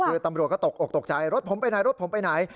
คือตำรวจก็ตกออกตกใจรถผมไปไหนรถผมไปไหน